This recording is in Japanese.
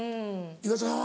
岩田さんは？